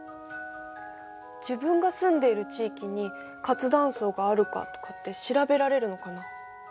自分が住んでいる地域に活断層があるかとかって調べられるのかな？